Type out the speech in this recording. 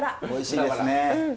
おいしいですね！